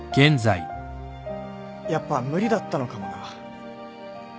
やっぱ無理だったのかもな。